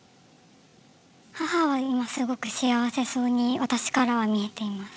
母は今すごく幸せそうに私からは見えています。